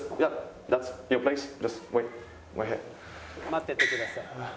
「待っててください」。